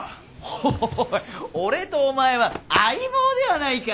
ホホホッ俺とお前は相棒ではないか。